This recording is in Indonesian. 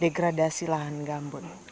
degradasi lahan gambut